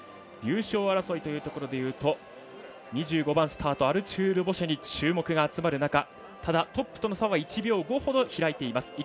優勝争いというところで言うと２５番スタートアルチュール・ボシェに注目が集まる中ただ、トップとの差は１秒５ほど開いています。